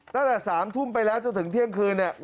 ตั้งแต่๓ทุ่มไปแล้วจนถึงเที่ยงคืนเนี่ย